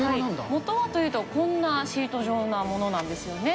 元はというと、こんなシート状なものなんですよね。